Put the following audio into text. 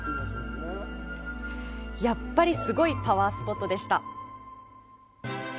やっぱりすごいパワースポットでした。